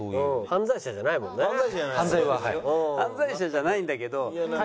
犯罪者じゃないんだけど。